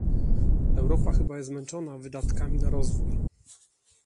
Europa chyba jest zmęczona wydatkami na rozwój